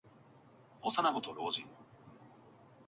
幼子と老人。